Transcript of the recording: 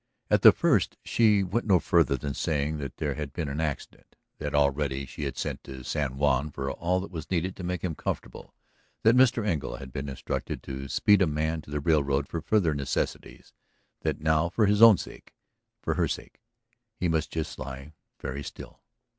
At the first she went no further than saying that there had been an accident; that already she had sent to San Juan for all that was needed to make him comfortable; that Mr. Engle had been instructed to speed a man to the railroad for further necessities; that now for his own sake, for her sake, he must just lie very still